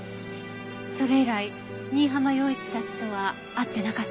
それ以来新浜陽一たちとは会ってなかった？